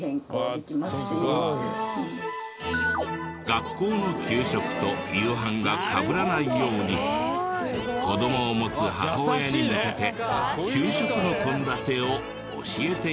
学校の給食と夕飯がかぶらないように子どもを持つ母親に向けて給食の献立を教えているのだとか。